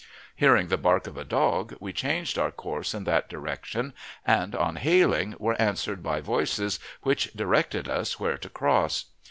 Hearing the bark of a dog, we changed our course in that direction, and, on hailing, were answered by voices which directed us where to cross.